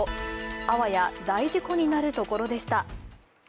あわや大事故になるところでした。